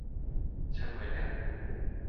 稱為亮度